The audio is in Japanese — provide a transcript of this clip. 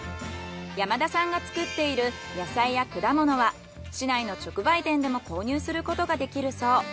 山田さんが作っている野菜や果物は市内の直売店でも購入することができるそう。